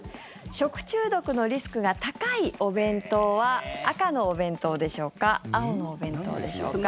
食中毒のリスクが高いお弁当は赤のお弁当でしょうか青のお弁当でしょうか。